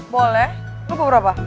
boleh lo berapa